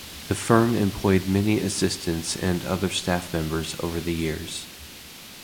The firm employed many assistants and other staff members over the years.